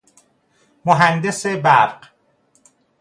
مهندس برق